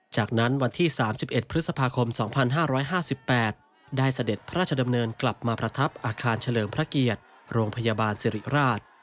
จากนั้นวันที่๓๑พฤษภาคม๒๕๕๘ได้เสด็จพระราชดำเนินกลับมาประทับอาคารเฉลิมพระเกียรติโรงพยาบาลสิริราช